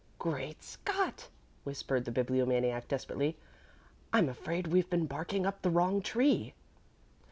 "Great Scott!" whispered the Bibliomaniac, desperately, "I'm afraid we've been barking up the wrong tree."